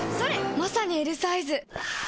まさにＬサイズ！